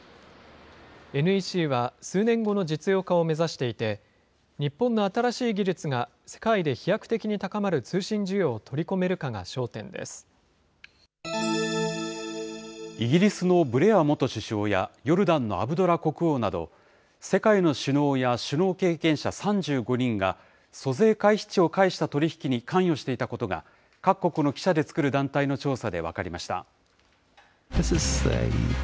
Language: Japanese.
ＮＥＣは、数年後の実用化を目指していて、日本の新しい技術が世界で飛躍的に高まる通信需要を取り込めるかアメリカのブレア元首相やヨルダンのアブドラ国王など、世界の首脳や首脳経験者３５人が、租税回避地を介した取り引きに関与していたことが各国の記者で作る団体の調査で分かりました。